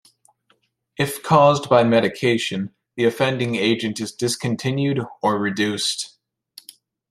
If caused by medication, the offending agent is discontinued or reduced.